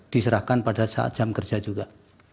diserahkan pada saat jam kerja juga